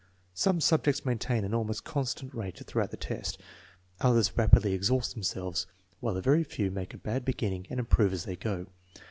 Some subjects maintain an almost constant rate through out the test, others rapidly exhaust themselves, while a very few make a bad beginning and improve as they go.